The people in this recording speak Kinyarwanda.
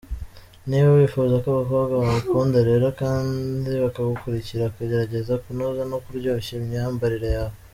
Niba wifuza ko abakobwa bagukunda rero kandi bakagukurikira gerageza kunoza no kuryoshya imyambarire yawe.